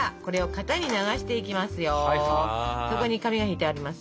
そこに紙が敷いてあります。